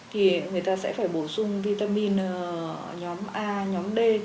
thì người ta sẽ phải bổ sung vitamin nhóm a nhóm d